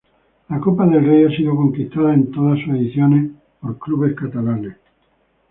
La Copa del Rey ha sido conquistada en todas sus ediciones por clubes catalanes.